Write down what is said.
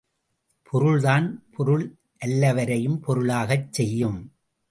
பொருள்தான் பொருளல்லவரையும் பொருளாகச் செய்யும்.